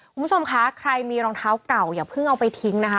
คุณผู้ชมคะใครมีรองเท้าเก่าอย่าเพิ่งเอาไปทิ้งนะคะ